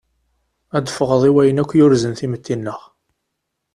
Ad ffɣeḍ i wayen akk yurzen timetti-nneɣ.